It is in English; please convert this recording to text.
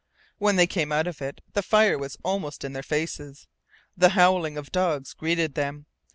When they came out of it the fire was almost in their faces. The howling of dogs greeted them.